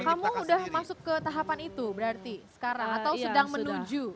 kamu sudah masuk ke tahapan itu berarti sekarang atau sedang menuju